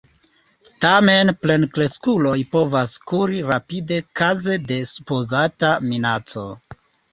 Tamen plenkreskuloj povas kuri rapide kaze de supozata minaco.